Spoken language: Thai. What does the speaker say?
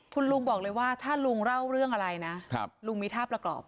คุณลุงบอกเลยว่าถ้าลุงเล่าเรื่องอะไรนะลุงมีท่าประกอบ